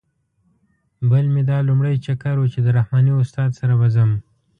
بل مې دا لومړی چکر و چې د رحماني استاد سره به ځم.